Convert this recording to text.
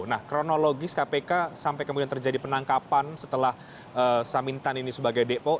nah kronologis kpk sampai kemudian terjadi penangkapan setelah samintan ini sebagai depo